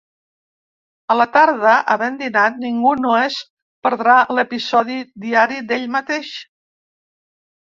A la tarda, havent dinat, ningú no es perdrà l'episodi diari d'Ell mateix.